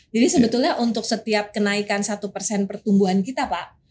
jadi sebetulnya untuk setiap kenaikan satu pertumbuhan kita pak